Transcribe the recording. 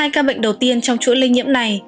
hai ca bệnh đầu tiên trong chuỗi lây nhiễm này